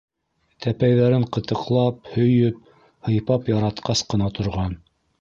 Тәпәйҙәрен ҡытыҡлап, һөйөп, һыйпап яратҡас ҡына торған.